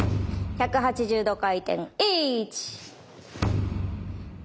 １８０度回転。